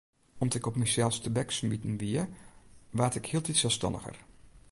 Om't ik op mysels tebeksmiten wie, waard ik hieltyd selsstanniger.